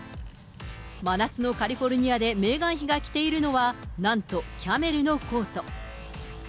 真夏のカリフォルニアでメーガン妃が着ているのは、なんとキャメルのコート。